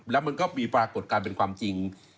แล้วมันก็มีปรากฏการณ์เป็นความจริง